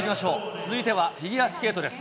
続いてはフィギュアスケートです。